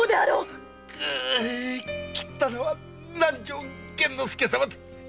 斬ったのは南条幻之介様だ。